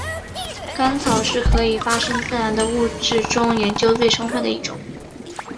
干草是可以发生自燃的物质中研究最充分的一种。